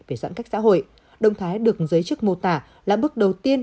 về giãn cách xã hội động thái được giới chức mô tả là bước đầu tiên